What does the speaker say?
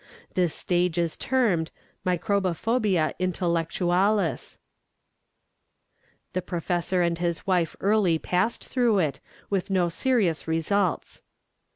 This stage is termed microbophobia intellectualis. The professor and his wife early passed through it, with no serious results.